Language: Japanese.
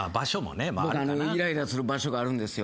僕イライラする場所があるんですよ。